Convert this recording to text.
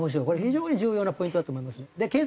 これ非常に重要なポイントだと思いますね。